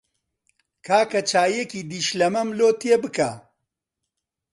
کاکە چایەکی دیشلەمەم لۆ تێ بکە.